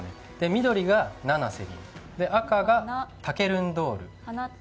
緑がナナセリン、赤がタケルンドール。